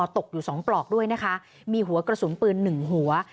ตกอยู่๒ปลอกด้วยนะคะมีหัวกระสุนปืนหนึ่งหัว